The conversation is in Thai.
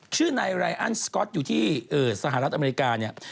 ชื่อนายไรอันสก๊อตอยู่ที่สหรัฐอเมริกาเนี่ย